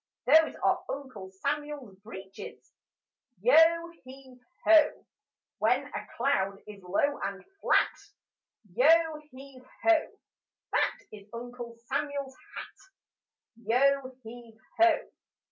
Those are Uncle Samuel's breeches: Yo heave ho! When a cloud is low and flat, Yo heave ho! That is Uncle Samuel's hat: Yo heave ho!